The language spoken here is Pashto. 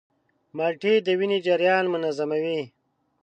مالټې د وینې جریان منظموي.